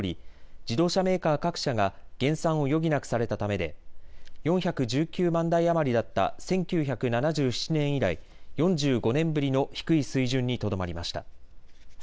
自動車メーカー各社が減産を余儀なくされたためで４１９万台余りだった１９７７年以来、４５年ぶりの低い水準にとどまりました。